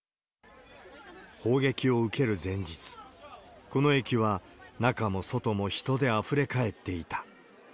砲撃を受ける前日、この駅は中も外も人であふれ返っていた。